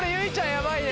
やばいね